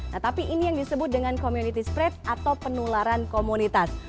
nah tapi ini yang disebut dengan community sprate atau penularan komunitas